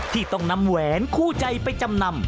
ที่ต้องนำแหวนคู่ใจไปจำนำ